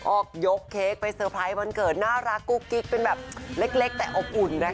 ออกยกเค้กไปเซอร์ไพรส์วันเกิดน่ารักกุ๊กกิ๊กเป็นแบบเล็กแต่อบอุ่นนะคะ